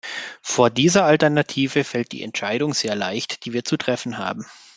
Vor dieser Alternative fällt die Entscheidung sehr leicht, die wir zu treffen haben!